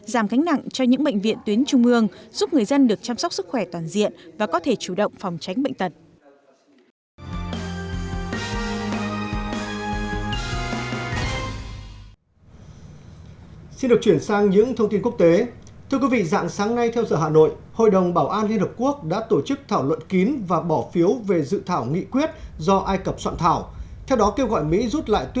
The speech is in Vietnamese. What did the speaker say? giảm cánh nặng cho những bệnh viện tuyến trung ương giúp người dân được chăm sóc sức khỏe toàn diện và có thể chủ động phòng tránh bệnh tật